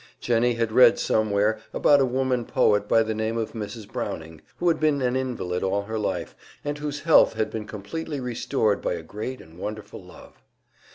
Jennie had read somewhere about a woman poet by the name of Mrs. Browning, who had been an invalid all her life, and whose health had been completely restored by a great and wonderful love.